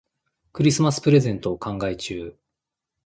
クリスマスプレゼントを考え中。